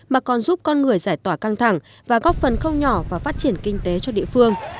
mà còn giúp con người giải tỏa căng thẳng và góp phần không nhỏ vào phát triển kinh tế cho địa phương